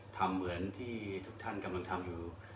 เหมือนที่ทุกท่านกำลังทำอยู่